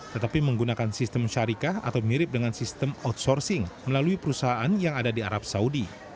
tetapi menggunakan sistem syarikah atau mirip dengan sistem outsourcing melalui perusahaan yang ada di arab saudi